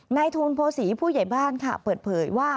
ทูลโภษีผู้ใหญ่บ้านค่ะเปิดเผยว่า